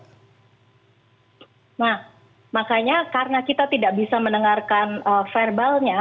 nah makanya karena kita tidak bisa mendengarkan verbalnya